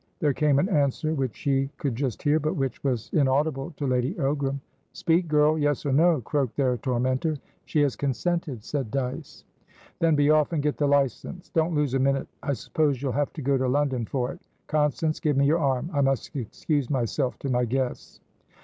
There came an answer which he could just hear, but which was inaudible to Lady Ogram. "Speak, girl! Yes or no!" croaked their tormentor. "She has consented," said Dyce. "Then be off and get the license! Don't lose a minute. I suppose you'll have to go to London for it? Constance, give me your arm. I must excuse myself to my guests."